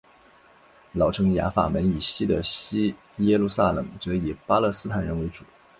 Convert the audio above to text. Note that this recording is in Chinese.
老城雅法门以西的西耶路撒冷则以巴勒斯坦人为主。